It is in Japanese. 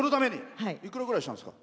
いくらぐらいしたんですか？